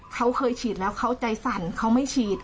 เขาเคยฉีดแล้วเขาใจสั่นเขาไม่ฉีด